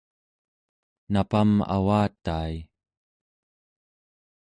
napam avatai